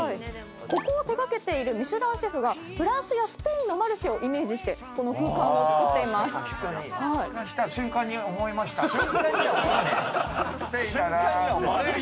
ここを手掛けているミシュランシェフがフランスやスペインのマルシェをイメージしてこの空間をつくっています。